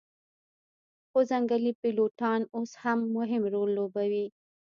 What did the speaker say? خو ځنګلي پیلوټان اوس هم مهم رول لوبوي